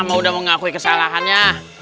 sama udah mengakui kesalahannya